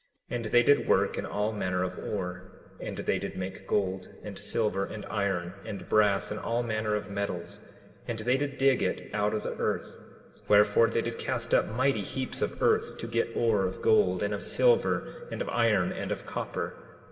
10:23 And they did work in all manner of ore, and they did make gold, and silver, and iron, and brass, and all manner of metals; and they did dig it out of the earth; wherefore they did cast up mighty heaps of earth to get ore, of gold, and of silver, and of iron, and of copper.